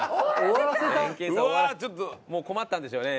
もう困ったんでしょうね